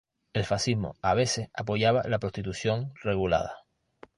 El fascismo a veces apoyaba la prostitución regulada.